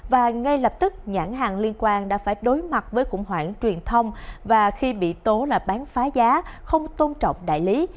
và ngay lập tức nhãn hàng liên quan đã phải đối mặt với khủng hoảng truyền thông và khi bị tố là bán phá giá không tôn trọng đại lý